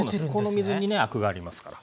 この水にねアクがありますから。